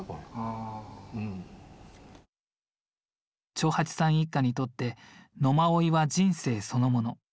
長八さん一家にとって野馬追は人生そのもの。